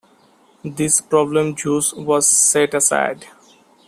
This problem juice was set aside.